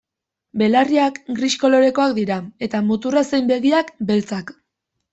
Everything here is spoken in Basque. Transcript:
Belarriak gris kolorekoak dira, eta muturra zein begiak beltzak.